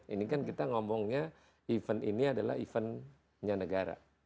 ini kan kita ngomongnya event ini adalah eventnya negara